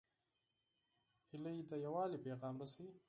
هیلۍ د یووالي پیغام رسوي